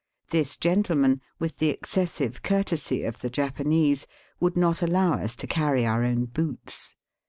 This gentleman, with the exi3essive courtesy of the Japanese, would not allow us to carry our own boots.